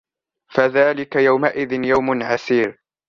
فَذَلِكَ يَوْمَئِذٍ يَوْمٌ عَسِيرٌ